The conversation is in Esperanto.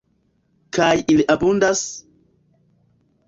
Kaj ili abundas….